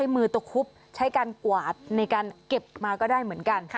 มือตะคุบใช้การกวาดในการเก็บมาก็ได้เหมือนกัน